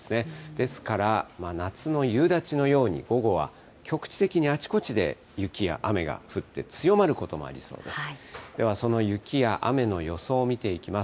ですから、夏の夕立のように、午後は局地的にあちこちで雪や雨が降って強まることもありそうです。